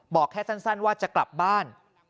บอกแค่สั้นว่าจะกลับบ้าน